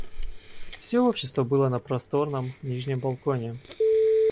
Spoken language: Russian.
Всё общество было на просторном нижнем балконе.